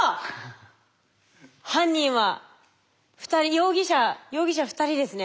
容疑者容疑者２人ですね。